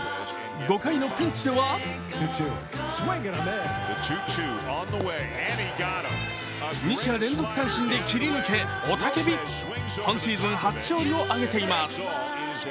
５回のピンチでは二者連続三振で切り抜け、雄たけび今シーズン初勝利を挙げています。